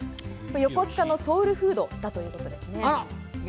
横須賀のソウルフードだということですね。